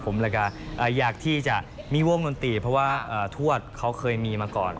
ผมหลังจะอยากที่จะมีวงมือนตีเพราะว่าทรวจเขาเคยมีมาก่อน